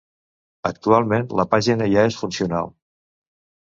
Actualment la pàgina ja és funcional.